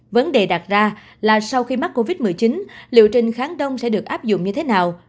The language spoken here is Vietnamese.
vấn đề đặt ra là sau khi mắc covid một mươi chín liệu trình kháng đông sẽ được áp dụng như thế nào